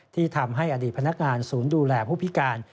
ที่ทำให้อดีตพนักงานศูนย์ดูแลผู้พิการ